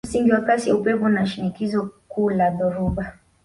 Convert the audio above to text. Msingi wa kasi ya upepo na shinikizo kuu la dhoruba